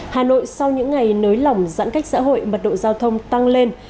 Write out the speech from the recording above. hà nội sau những ngày nới lỏng giãn cách xã hội mật độ giao thông tăng lên